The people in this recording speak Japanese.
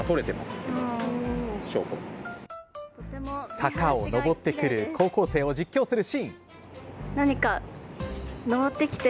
坂を上ってくる高校生を実況するシーン。